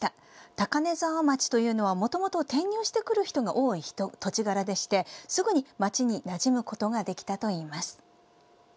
高根沢町というのは、もともと転入してくる人が多い土地柄ですぐに町になじむことができたといいます。